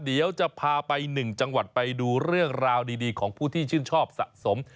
เดี๋ยวจะพาไป๑จังหวัดไปดูเรื่องราวดีของผู้ที่ชื่นชอบสะสม